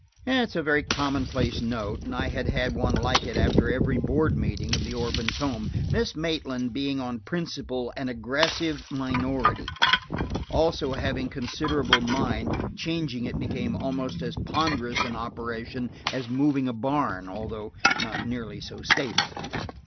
It was a very commonplace note; I had had one like it after every board meeting of the orphans' home, Miss Maitland being on principle an aggressive minority. Also, having considerable mind, changing it became almost as ponderous an operation as moving a barn, although not nearly so stable.